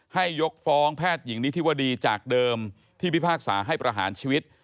ยกฟ้องแพทย์หญิงนิธิวดีจากเดิมที่พิพากษาให้ประหารชีวิต